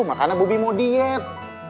makanya bobby mau diet